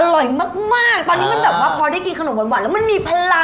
อร่อยมากตอนนี้มันแบบว่าพอได้กินขนมหวานแล้วมันมีพลัง